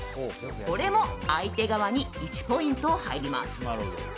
これも相手側に１ポイント入ります。